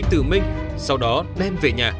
từ minh sau đó đem về nhà